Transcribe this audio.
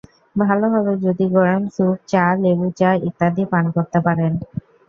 ভালো হবে যদি গরম স্যুপ, চা, লেবু-চা ইত্যাদি পান করতে পারেন।